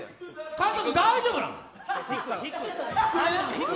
監督大丈夫なの？